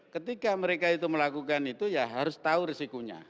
ketika mereka itu melakukan itu ya harus tahu risikonya